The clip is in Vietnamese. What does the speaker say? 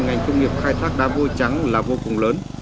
ngành công nghiệp khai thác đá vôi trắng là vô cùng lớn